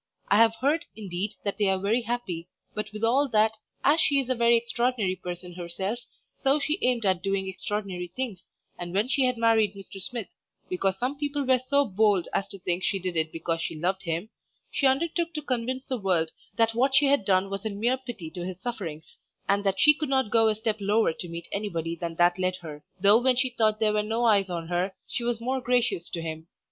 I have heard, indeed, that they are very happy; but withal that, as she is a very extraordinary person herself, so she aimed at doing extraordinary things, and when she had married Mr. Smith (because some people were so bold as to think she did it because she loved him) she undertook to convince the world that what she had done was in mere pity to his sufferings, and that she could not go a step lower to meet anybody than that led her, though when she thought there were no eyes on her, she was more gracious to him.